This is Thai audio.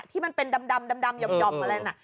ที่มันเป็นดำหย่อมอะไรน่ะ